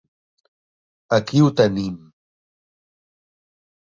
Aquí ho tenim.